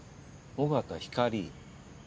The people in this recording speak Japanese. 緒方ひかり。